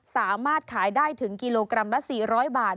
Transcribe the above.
สามารถขายได้ถึงกิโลกรัมละ๔๐๐บาท